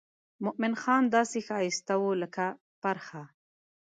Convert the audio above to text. مومن خان داسې ښایسته و لکه پرخه.